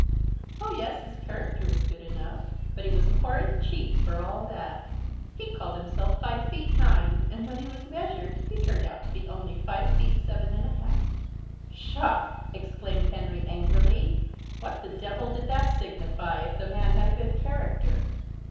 "Oh yes! his character was good enough; but he was a horrid cheat for all that. He called himself five feet nine, and when he was measured he turned out to be only five feet seven and a half." "Pshaw!" exclaimed Henry angrily. "What the devil did that signify if the man had a good character?"